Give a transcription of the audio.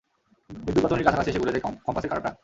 বিদ্যুৎ বর্তনীর কাছাকাছি এসে ঘুরে যায় কম্পাসের কাঁটাটা।